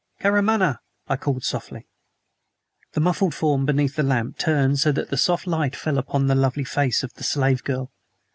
"Karamaneh!" I called softly. The muffled form beneath the lamp turned so that the soft light fell upon the lovely face of the slave girl.